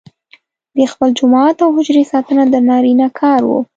د خپل جومات او حجرې ساتنه د نارینه کار وو.